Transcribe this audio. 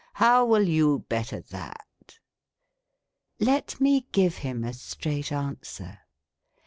How will you better that ?" Let me give him a straight answer.